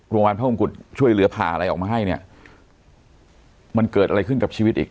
พระมงกุฎช่วยเหลือผ่าอะไรออกมาให้เนี่ยมันเกิดอะไรขึ้นกับชีวิตอีก